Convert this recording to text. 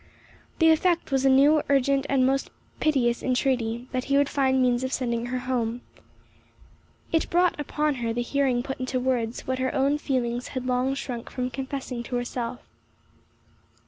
The effect was a new, urgent, and most piteous entreaty, that he would find means of sending her home. It brought upon her the hearing put into words what her own feelings had long shrunk from confessing to herself.